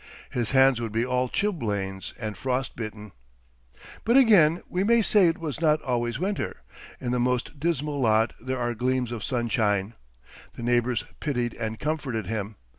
His hands would be all chilblains and frost bitten. But again we may say it was not always winter. In the most dismal lot there are gleams of sunshine. The neighbors pitied and comforted him.